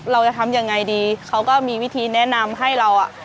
เราจะทำยังไงดีเขาก็มีวิธีแนะนำให้เราอ่ะ